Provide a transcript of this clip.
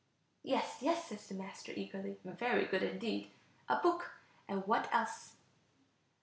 "Yes, yes," says the master, eagerly, "very good indeed, a book. And what else?"